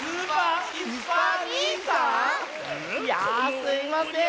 いやあすいません。